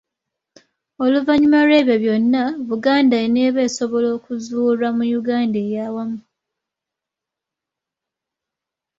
Oluvannyuma lw’ebyo byonna, Buganda eneeba esobola okuzuulwa mu Uganda ey’awamu.